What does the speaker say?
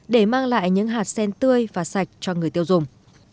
để mang lại những hạt sen tươi và sạch cho người tiêu dùng